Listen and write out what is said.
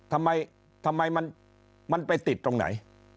ทำไมมันไปติดตรงไหน